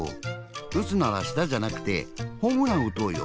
うつならしたじゃなくてホームランうとうよ。